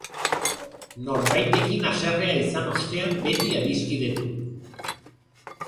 Norbaitekin haserrea izan ostean beti adiskidetu.